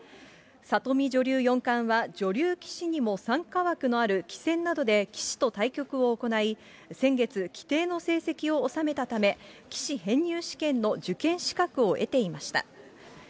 里見女流四冠は女流棋士にも参加枠のある棋戦などで棋士と対局を行い、先月、規定の成績を収めたため、棋士編入試験の受験資格を得ていました。